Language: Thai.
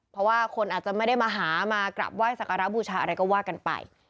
เพราะว่าคนอาจจะไม่ได้มาหามากราบไหว้สักการะบูชาอะไรก็ว่ากันไป